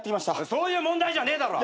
そういう問題じゃねえだろ！